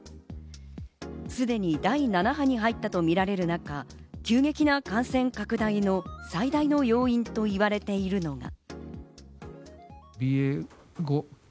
すでに第７波に入ったとみられる中、急激な感染拡大の最大な要因と言われているのが。